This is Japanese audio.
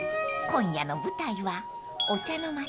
［今夜の舞台はお茶の街］